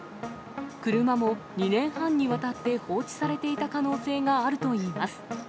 車も２年半にわたって、放置されていた可能性があるといいます。